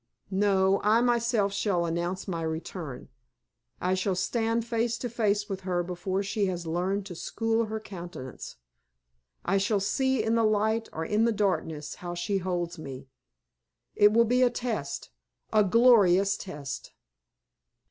No, I myself shall announce my return. I shall stand face to face with her before she has learned to school her countenance. I shall see in the light or in the darkness how she holds me. It will be a test a glorious test."